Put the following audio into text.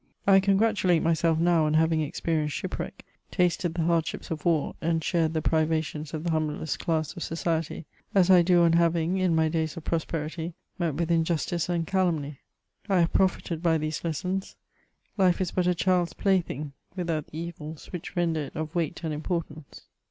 I congratulate myself now on having experienced dupwreck, tasted the hardships of war, and shared the privations of the humhlest class of society, as I do on having, in my days of prosperity, met with injustice and calumny ; I have profited by these lessons ; life is but a child's plaything without the evils which render it of weight and importance.